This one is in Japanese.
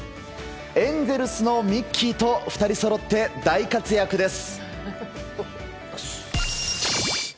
エンゼルスのミッキーと２人そろって大活躍です。